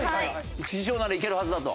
師匠ならいけるはずだと。